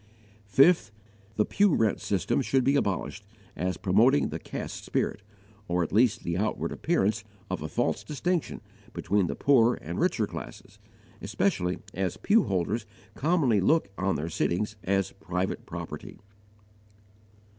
5. The pew rent system should be abolished, as promoting the caste spirit, or at least the outward appearance of a false distinction between the poorer and richer classes, especially as pew holders commonly look on their sittings as private property.